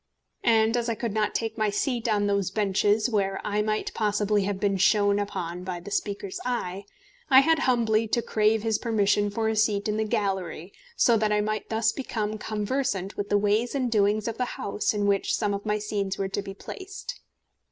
And as I could not take my seat on those benches where I might possibly have been shone upon by the Speaker's eye, I had humbly to crave his permission for a seat in the gallery, so that I might thus become conversant with the ways and doings of the House in which some of my scenes were to be placed.